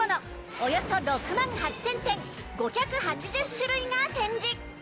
およそ６万８０００点５８０種類が展示。